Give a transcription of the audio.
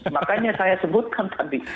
makanya saya sebutkan tadi